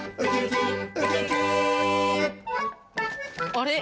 あれ？